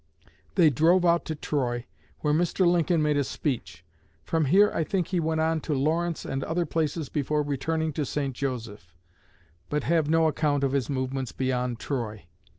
They drove out to Troy, where Mr. Lincoln made a speech. From here I think he went on to Lawrence and other places before returning to St. Joseph, but have no account of his movements beyond Troy.